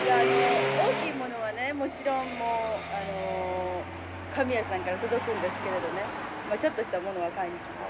大きいものはねもちろん紙屋さんから届くんですけれどねちょっとしたものは買いに行きます。